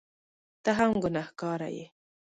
ته هم ګنهکاره یې !